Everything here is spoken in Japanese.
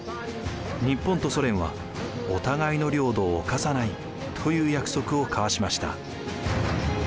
日本とソ連はお互いの領土を侵さないという約束を交わしました。